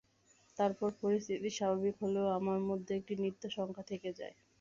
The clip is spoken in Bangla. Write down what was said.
তারপর পরিস্থিতি স্বাভাবিক হলেও আমার মধ্যে একটা নিত্য শঙ্কা থেকে যায়।